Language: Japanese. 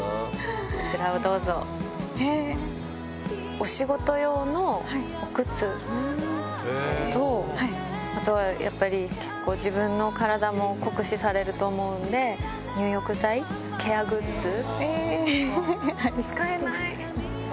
お仕事用の靴と、あとはやっぱり結構、自分の体も酷使されると思うんで、入浴剤、ケアグッズを。